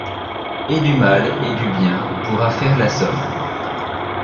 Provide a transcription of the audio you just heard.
Et du mal et du bien pourra faire la somme